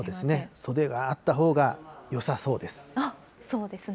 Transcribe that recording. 袖があったほうがよさそうです。